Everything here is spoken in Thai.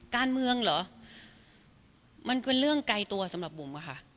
การเมืองเหรอมันเป็นเรื่องไกลตัวสำหรับบุ๋มอะค่ะ